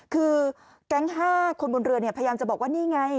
คือแก๊ง๕คนบนเรือพยายามจะบอกว่านี่ไง